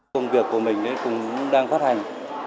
công việc của mình cũng đang phát hành